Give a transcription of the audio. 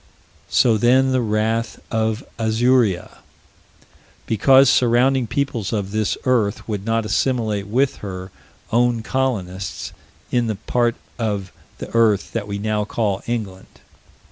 So then the wrath of Azuria Because surrounding peoples of this earth would not assimilate with her own colonists in the part of the earth that we now call England.